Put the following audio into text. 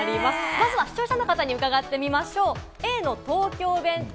まずは視聴者の方に伺ってみましょう。